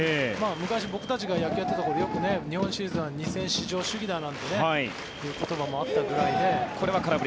昔、僕たちが野球をやっていた頃よく日本シリーズは２戦至上主義だなんていう言葉もあったくらいで。